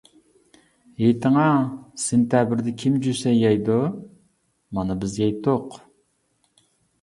ئېيتىڭا، سېنتەبىردە كىم جۈسەي يەيدۇ؟ مانا بىز يەيتتۇق.